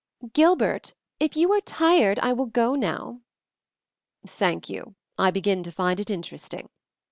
"Gilbert, if you are tired I will go now." "Thank you, I begin to find it interesting.